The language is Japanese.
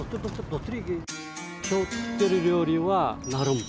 今日作ってる料理はナルム。